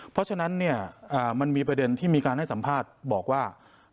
เพราะฉะนั้นมันมีประเด็นที่มีการให้สัมภาษณ์บอกว่า